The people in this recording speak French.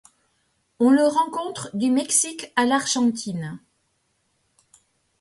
On le rencontre du Mexique à l'Argentine.